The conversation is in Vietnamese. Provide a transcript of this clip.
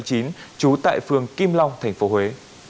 trú tại phường kim long tp huế